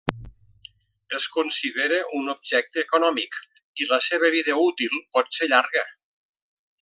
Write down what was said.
Es considera un objecte econòmic i la seva vida útil pot ser llarga.